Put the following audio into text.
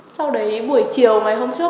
sau đấy buổi chiều ngày hôm trước